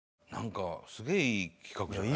すげえいい企画じゃない？